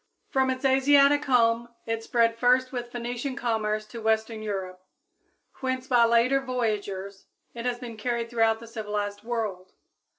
From its Asiatic home it spread first with Phoenician commerce to western Europe, whence by later voyageurs it has been carried throughout the civilized world.